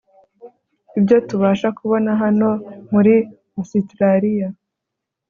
ibyo tubasha kubona hano muri Ositraliya